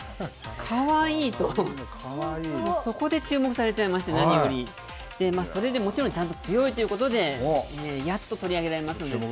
かわいいと、そこで注目されちゃいまして何より強いということでやっと取り上げられます。